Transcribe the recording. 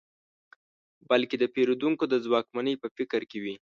بلکې د پېرودونکو د ځواکمنۍ په فکر کې وي.